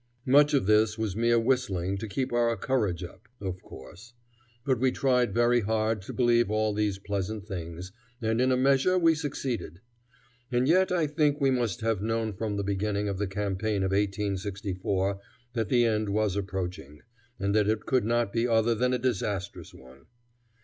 Much of this was mere whistling to keep our courage up, of course, but we tried very hard to believe all these pleasant things, and in a measure we succeeded. And yet I think we must have known from the beginning of the campaign of 1864 that the end was approaching, and that it could not be other than a disastrous one.